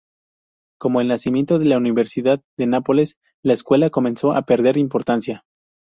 Con el nacimiento de la Universidad de Nápoles, la "Escuela" comenzó a perder importancia.